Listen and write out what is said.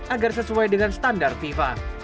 agar sesuai dengan standar fifa